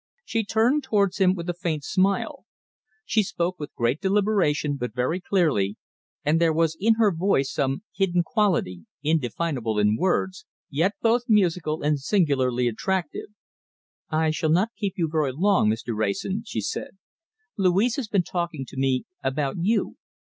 She turned towards him with a faint smile. She spoke with great deliberation, but very clearly, and there was in her voice some hidden quality, indefinable in words, yet both musical and singularly attractive. "I shall not keep you very long, Mr. Wrayson," she said. "Louise has been talking to me about you.